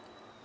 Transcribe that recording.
cái thứ ba